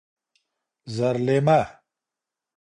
زرلېمه